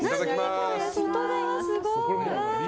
これ、外側すごい！